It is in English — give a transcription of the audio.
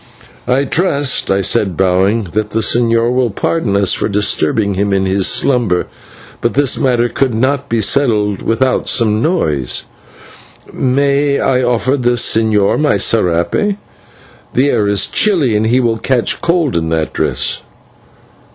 "I trust," I said, bowing, "that the señor will pardon us for disturbing him in his slumber, but this matter could not be settled without some noise. May I offer the señor my /serape/? The air is chilly, and he will catch cold in that dress."